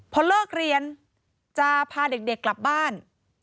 พอเลิกเรียนจะพาเด็กกลับบ้าน